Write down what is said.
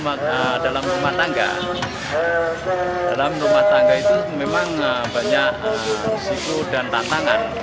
jadi dalam rumah tangga dalam rumah tangga itu memang banyak risiko dan tantangan